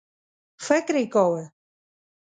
فکر یې کاوه.